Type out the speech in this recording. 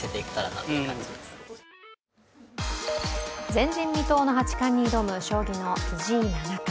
前人未到の八冠に挑む将棋の藤井七冠。